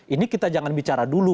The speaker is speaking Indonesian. ini kita jangan bicara dulu